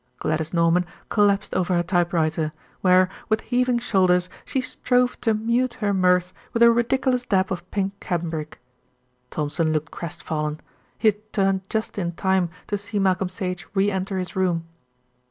Gladys Norman collapsed over her typewriter, where with heaving shoulders she strove to mute her mirth with a ridiculous dab of pink cambric. Thompson looked crestfallen. He had turned just in time to see Malcolm Sage re enter his room.